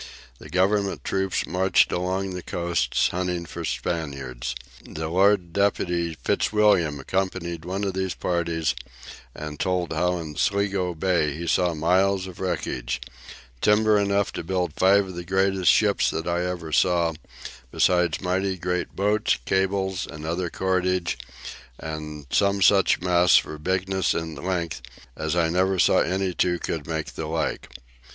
The Government troops marched along the coasts hunting for Spaniards. The Lord Deputy Fitzwilliam accompanied one of these parties, and told how in Sligo Bay he saw miles of wreckage, "timber enough to build five of the greatest ships that ever I saw, besides mighty great boats, cables, and other cordage, and some such masts for bigness and length, as I never saw any two could make the like."